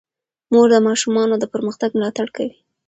مور د ماشومانو د پرمختګ ملاتړ کوي.